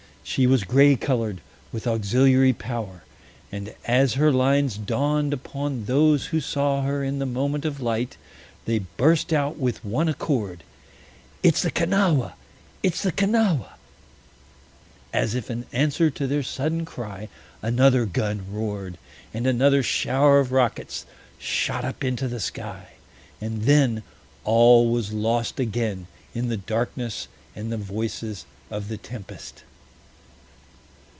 She was gray colored, with auxiliary power, and as her lines dawned upon those who saw her in the moment of light, they burst out with one accord, "It's the Kanawha! It's the Kanawha!" As if an answer to their sudden cry another gun roared, and another shower of rockets shot up into the sky; and then all was lost again in the darkness and the voices of the tempest.